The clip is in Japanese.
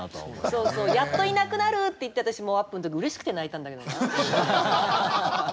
そうそうやっといなくなるって言って私アップの時うれしくて泣いたんだけどなあ。